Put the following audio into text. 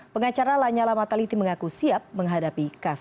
pengacara lanyala mataliti mengaku siap menghadapi kasus